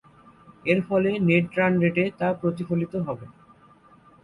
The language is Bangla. এরফলে নেট রান রেটে তা প্রতিফলিত হবে।